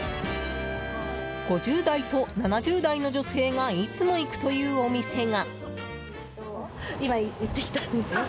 ５０代と７０代の女性がいつも行くというお店が。